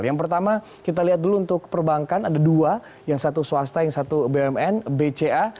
yang pertama kita lihat dulu untuk perbankan ada dua yang satu swasta yang satu bumn bca